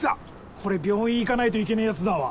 これ病院行かないといけねえやつだわ。